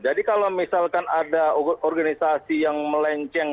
jadi kalau misalkan ada organisasi yang melenceng